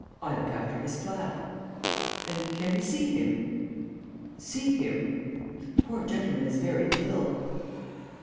I look after his flat." "And can we see him?" "See him?... The poor gentleman is very ill."